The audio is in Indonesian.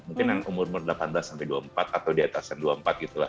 mungkin yang umur umur delapan belas sampai dua puluh empat atau di atas dua puluh empat gitu lah